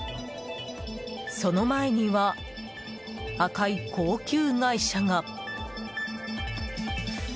その前には、赤い高級外車が。